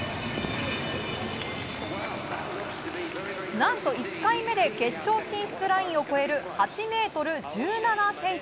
何と１回目で決勝進出ラインを超える８ｍ１７ｃｍ。